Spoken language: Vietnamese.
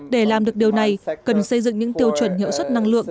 để làm được điều này cần xây dựng những tiêu chuẩn hiệu suất năng lượng